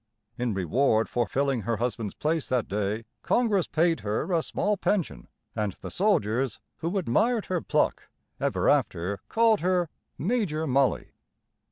In reward for filling her husband's place that day, Congress paid her a small pension, and the soldiers, who admired her pluck, ever after called her "Major Molly."